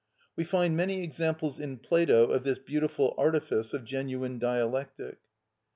We find many examples in Plato of this beautiful artifice of genuine dialectic.